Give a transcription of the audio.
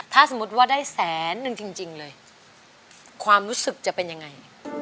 ถ้าสมมุติว่าได้แสนนึงจริงเลยความรู้สึกจะเป็นยังไง